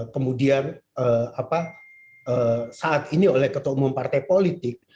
kemudian saat ini oleh ketua umum partai politik